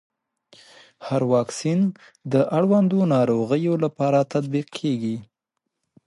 هر واکسین د اړوندو ناروغيو لپاره تطبیق کېږي.